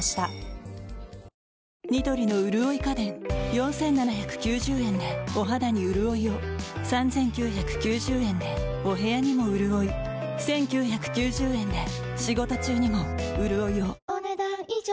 ４，７９０円でお肌にうるおいを３，９９０円でお部屋にもうるおい１，９９０円で仕事中にもうるおいをお、ねだん以上。